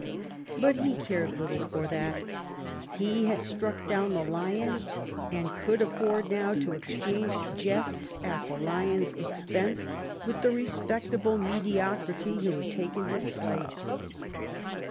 But he cared little for that. He had struck down the lion, and he could afford now to exchange jests at the lion's expense with the respectable mediocrity who had taken his place.